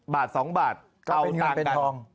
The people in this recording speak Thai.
บ้าน๒บาทก็เป็นเงินเป็นทอง